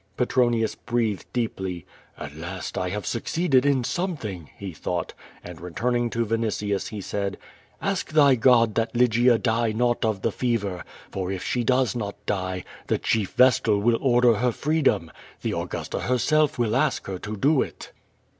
Petronius breathed deej)ly. "At last 1 have succeeded in something," he thought, and returning to Vinitius, he said: "Ask tTiy God that Lygia die not of the fever, for if she does not die, the chief vestal will order her freedom. The Augusta herself will ask her to do it."